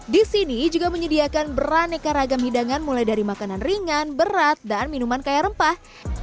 di sini juga menyediakan beraneka ragam hidangan mulai dari makanan ringan berat dan minuman kaya rempah